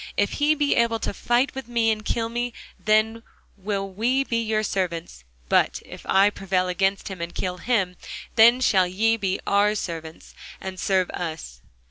If he be able to fight with me, and to kill me, then will we be your servants: but if I prevail against him, and kill him, then shall ye be our servants, and serve us.